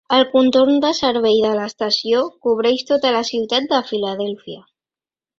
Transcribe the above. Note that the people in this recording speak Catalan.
El contorn de servei de l'estació cobreix tota la ciutat de Filadèlfia.